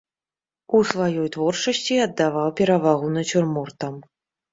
У сваёй творчасці аддаваў перавагу нацюрмортам.